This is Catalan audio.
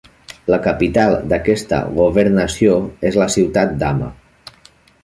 La capital d'aquesta governació és la ciutat d'Hama.